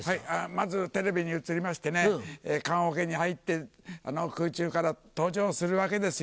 まずテレビに映りましてね棺おけに入って空中から登場するわけですよ。